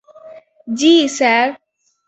জ্বি, স্যার!